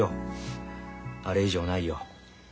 あれ以上ないよ。